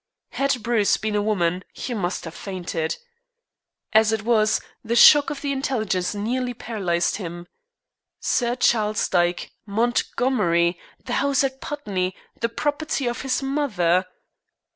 Had Bruce been a woman he must have fainted. As it was, the shock of the intelligence nearly paralyzed him. Sir Charles Dyke! Montgomery! The house at Putney the property of his mother!